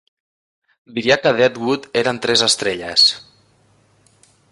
Diria que "Dead Wood" eren tres estrelles